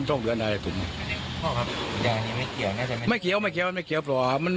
หน้าเตียกก็ปลอด